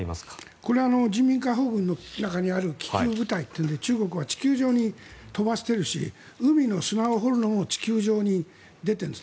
これは人民解放軍の中にある気球部隊というので中国は地球上に飛ばしてるし海の砂を掘るのも地球上に出ているんです。